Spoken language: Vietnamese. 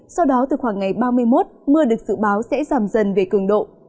sau đó từ khoảng ngày ba mươi một mưa được dự báo sẽ giảm dần về cường độ